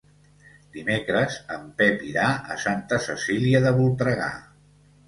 Dimecres en Pep irà a Santa Cecília de Voltregà.